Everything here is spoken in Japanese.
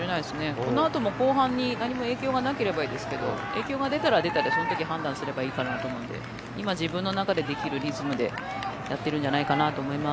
このあとも後半に何も影響がなければいいですけど影響が出たら出たでその時判断したらいいと思うので今、自分の中でできるリズムでやってるんじゃないかなと思います。